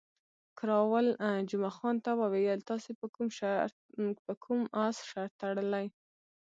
کراول جمعه خان ته وویل، تاسې پر کوم اس شرط تړلی؟